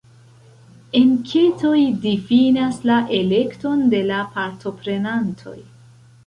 Enketoj difinas la elekton de la partoprenantoj.